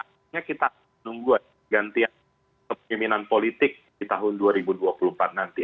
pada akhirnya kita akan menunggu pergantian pemerintahan politik di tahun dua ribu dua puluh empat nanti